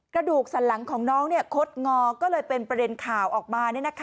กระดูกสันหลังของน้องคดงอก็เลยเป็นประเด็นข่าวออกมา